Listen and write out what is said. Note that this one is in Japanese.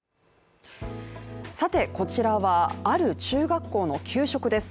さて、こちらは、ある中学校の給食です。